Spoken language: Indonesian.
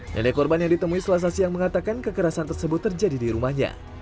nenek korban yang ditemui selasa siang mengatakan kekerasan tersebut terjadi di rumahnya